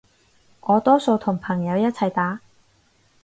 我多數同朋友一齊打